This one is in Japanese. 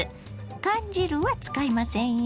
缶汁は使いませんよ。